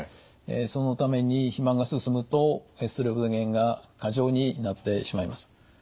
そのために肥満が進むとエストロゲンが過剰になってしまいます。